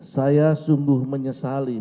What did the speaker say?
saya sungguh menyesali